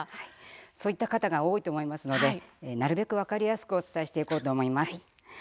そういう方が多いと思いますので、なるべく分かりやすくお伝えしていこうと思います。